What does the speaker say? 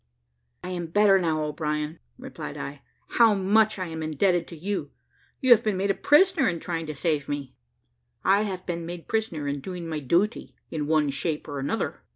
"I am better now, O'Brien," replied I: "how much I am indebted to you! you have been made prisoner in trying to save me." "I have been made prisoner in doing my duty, in one shape or another."